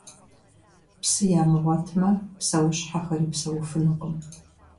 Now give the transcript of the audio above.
Псы ямыгъуэтмэ, псэущхьэхэри псэуфынукъым.